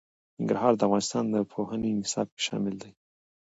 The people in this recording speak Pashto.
ننګرهار د افغانستان د پوهنې نصاب کې شامل دي.